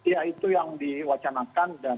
ya itu yang diwacanakan